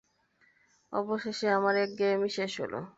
অবশেষে আমার একঘেয়েমি শেষ হবে।